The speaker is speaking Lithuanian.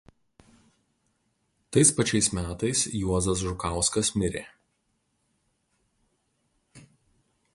Tais pačiais metais Juozas Žukauskas mirė.